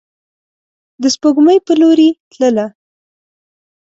د سپوږمۍ په لوري تلله